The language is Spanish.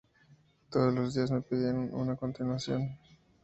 Todos los días me pedían una continuación.